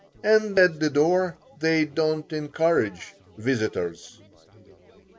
And at the door they don't encourage visitors.